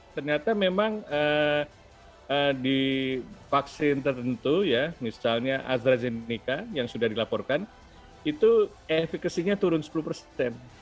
ternyata memang di vaksin tertentu ya misalnya astrazeneca yang sudah dilaporkan itu efekasinya turun sepuluh persen